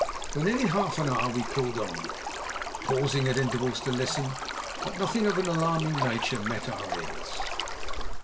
For nearly half an hour we pulled on, pausing at intervals to listen, but nothing of an alarming nature met our ears.